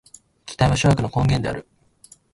期待は諸悪の根源である。